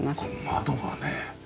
窓がね